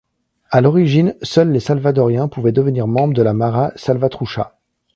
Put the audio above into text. À l'origine, seuls les Salvadoriens pouvaient devenir membres de la Mara Salvatrucha.